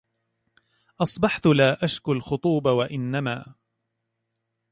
أصبحت لا أشكو الخطوب وإنما